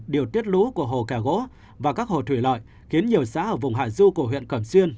điều tiết lũ của hồ kẻ gỗ và các hồ thủy lợi khiến nhiều xã ở vùng hạ du của huyện cẩm xuyên